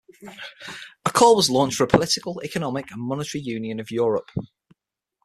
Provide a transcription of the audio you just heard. A call was launched for a political, economic and monetary Union of Europe.